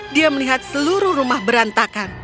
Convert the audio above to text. dia melihat seluruh rumah berantakan